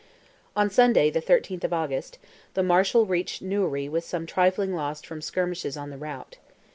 On Sunday, the 13th of August, the Marshal reached Newry with some trifling loss from skirmishes on the route.